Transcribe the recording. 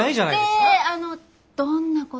であのどんなことを？